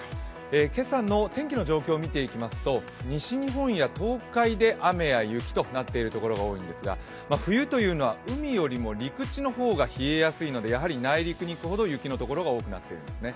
今朝の天気の状況を見てみますと西日本や東海で雨や雪となっているところが多いんですが、冬というのは海よりも陸地の方が冷えやすいのでやはり内陸に行くほど雪の所が多くなっているんですね。